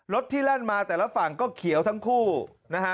ที่แล่นมาแต่ละฝั่งก็เขียวทั้งคู่นะฮะ